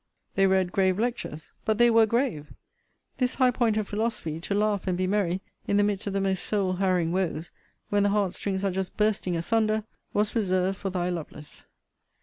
They read grave lectures; but they were grave. This high point of philosophy, to laugh and be merry in the midst of the most soul harrowing woes, when the heart strings are just bursting asunder, was reserved for thy Lovelace.